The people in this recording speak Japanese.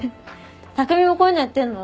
匠もこういうのやってんの？